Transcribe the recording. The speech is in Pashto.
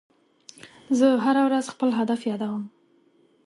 زه هره ورځ خپل هدف یادوم.